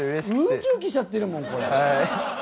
ウキウキしちゃってるもんこれ。